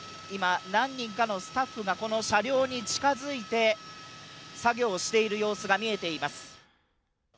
今、何人かのスタッフがこの車両に近づいて作業している様子が見えます。